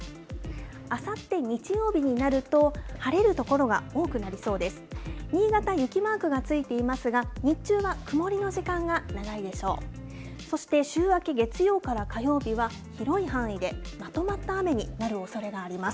あさって日曜日になると、晴れる所は多くなりそうです。